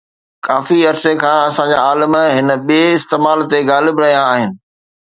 ڪافي عرصي کان اسان جا عالم هن ٻئي استعمال تي غالب رهيا آهن